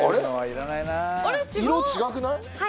色違くない？